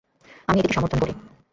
আমি এটিকে সমর্থন করি।